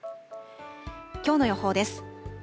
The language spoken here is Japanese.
きょうの予報です。